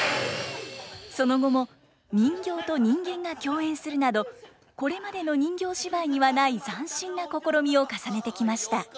その後も人形と人間が共演するなどこれまでの人形芝居にはない斬新な試みを重ねてきました。